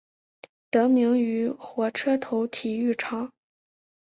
得名于火车头体育场。